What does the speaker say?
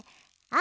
あ！